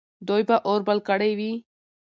دوی به اور بل کړی وي.